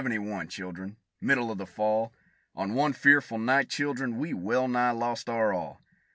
] Year of '71, children, middle of the fall, On one fearful night, children, we well nigh lost our all.